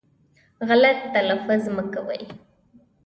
غلط تلفظ مه کوی